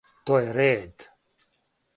То је ред?